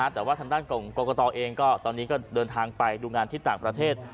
แต่ว่าทางด้านของกรกตเองก็ตอนนี้ก็เดินทางไปดูงานที่ต่างประเทศ